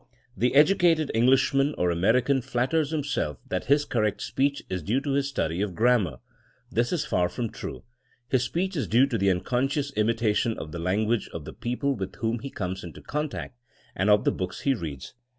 The educated Englishman or American flatters himself that his correct speech is due to his study of gram mar. This is far from true. His speech is due to unconscious imitation of the language of the people with whom he comes into contact, and of the books he reads.